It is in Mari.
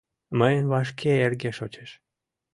Мыйын вашке эрге шочеш!